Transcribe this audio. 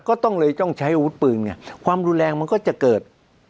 ก็ต้องเลยต้องใช้อาวุธปืนไงความรุนแรงมันก็จะเกิด